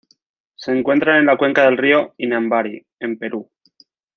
Se encuentra en la cuenca del río Inambari, en Perú.